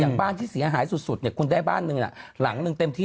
บ้านที่เสียหายสุดเนี่ยคุณได้บ้านหนึ่งหลังหนึ่งเต็มที่